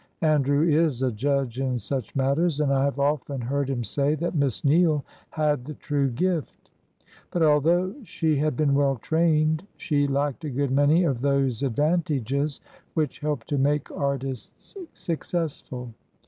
Andrew is a judge in such matters, and I have often heard him say that Miss Neale had the true gift. But, although she had been well trained, she lacked a good many of those advantages which help to make artists successful.